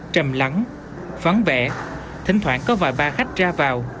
trầm lắng vắng vẻ thỉnh thoảng có vài ba khách ra vào